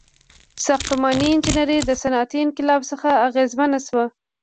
• ساختماني انجینري د صنعتي انقلاب څخه اغیزمنه شوه.